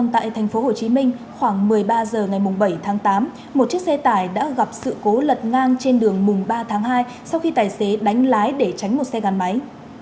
trong ngày bảy tháng tám một chiếc xe tải đã gặp sự cố lật ngang trên đường mùng ba tháng hai sau khi tài xế đánh lái để tránh một xe gắn máy